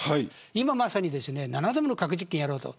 今まさに７度目の核実験をやろうと。